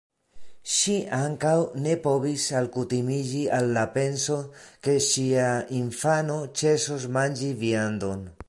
Ŝi ankaŭ ne povis alkutimiĝi al la penso, ke ŝia infano ĉesos manĝi viandon.